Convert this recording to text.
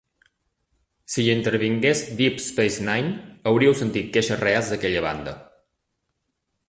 Si hi intervingués "Deep Space Nine", hauríeu sentit queixes reals d'aquella banda.